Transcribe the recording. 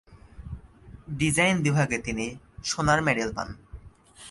ডিজাইনে বিভাগে তিনি সোনার মেডেল পান।